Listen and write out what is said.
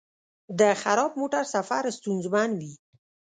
د خراب موټر سفر ستونزمن وي.